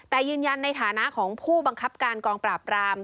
แต่ยืนยันในฐานะของผู้บังคับการกองปราบราม